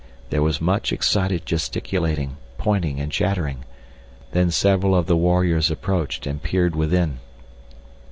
There was much excited gesticulating, pointing, and chattering; then several of the warriors approached and peered within.